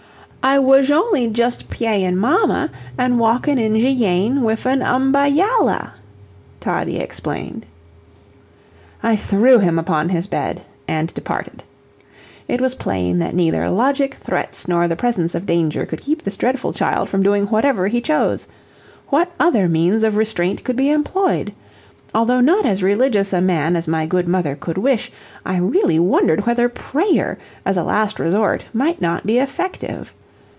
"I wazh only djust pyayin' mamma, an' walkin' in ze yain wif an umbayalla," Toddie explained. I threw him upon his bed and departed. It was plain that neither logic, threats, nor the presence of danger could keep this dreadful child from doing whatever he chose; what other means of restraint could be employed? Although not as religious a man as my good mother could wish, I really wondered whether prayer, as a last resort, might not be effective.